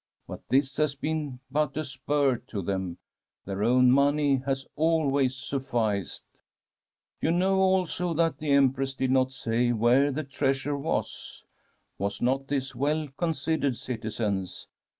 But this has been but Ia87l From a SfVEDlSH HOMESTEAD a spur to them : their own money has always suf ficed. *" You know, also, that the Empress did not say where the treasure was. Was not this well considered, citizens